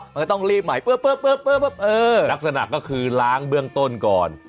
มันก็ต้องรีบใหม่ปุ๊บลักษณะก็คือล้างเบื้องต้นก่อน